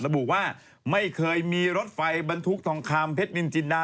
ระบุว่าไม่เคยมีรถไฟบรรทุกทองคำเพชรนินจินดา